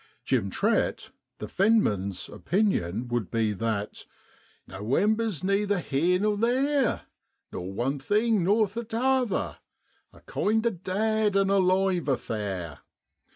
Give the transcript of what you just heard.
Jim Trett, the fenman's, opinion would be that ' Nowember's neither heer nor theer nor one thing nor th' 'tother a kind o' dade an' alive affair